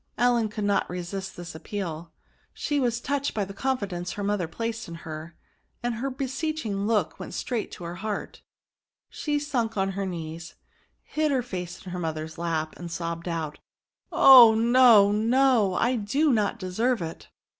Ellen could not DEMONSTRATIVE PRONOUNS. 207 resist this appeal ; she was touched by the confidence her mother placed in her, and her beseeching look went straight to her heart. She sunk on her knees, hid her face in her mother's lap, and sobbed out, " Oh no ! no ! I do not deserve it."